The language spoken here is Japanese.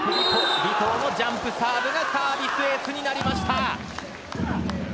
尾藤のジャンプサーブがサービスエースになりました。